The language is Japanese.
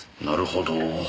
なるほど。